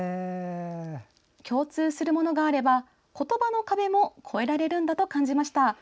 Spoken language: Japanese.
共通するものがあれば言葉の壁も越えられるんだと感じました。